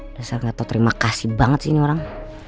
dasar gak tau terima kasih banget sih ini orang